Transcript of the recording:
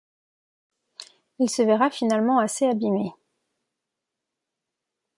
Il se verra finalement assez abimé.